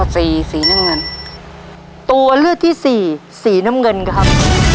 สีสีน้ำเงินตัวเลือกที่สี่สีน้ำเงินครับ